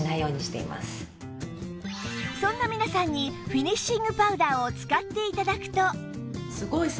そんな皆さんにフィニッシングパウダーを使って頂くと